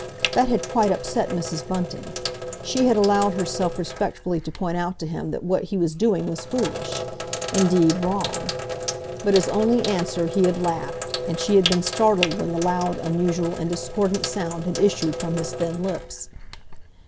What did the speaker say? That had quite upset Mrs. Bunting. She had allowed herself respectfully to point out to him that what he was doing was foolish, indeed wrong. But as only answer he had laughed, and she had been startled when the loud, unusual and discordant sound had issued from his thin lips.